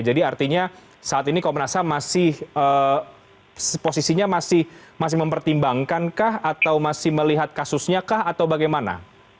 jadi artinya saat ini komnas ham masih posisinya masih mempertimbangkankah atau masih melihat kasusnya kah atau bagaimana